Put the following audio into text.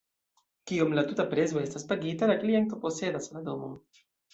Kiam la tuta prezo estas pagita, la kliento posedas la domon.